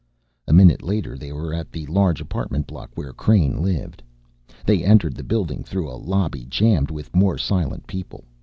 A minute later they were at the large apartment block where Crane lived. They entered the building through a lobby jammed with more silent people.